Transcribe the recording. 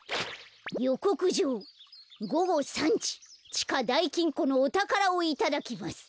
「よこくじょうごご３じちかだいきんこのおたからをいただきます。